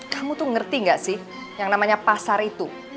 kamu tuh ngerti gak sih yang namanya pasar itu